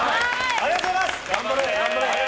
ありがとうございます。